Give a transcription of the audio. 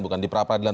bukan di pra peradilan